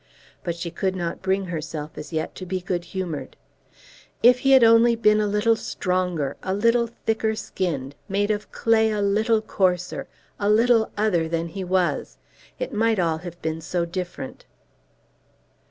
But she could not bring herself as yet to be good humoured. If he had only been a little stronger, a little thicker skinned, made of clay a little coarser, a little other than he was, it might all have been so different!